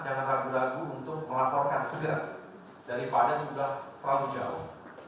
jangan ragu ragu untuk melaporkan segera daripada sudah terlalu jauh